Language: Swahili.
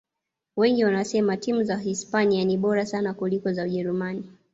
wengi wanasema timu za hispania ni bora sana kuliko za ujerumani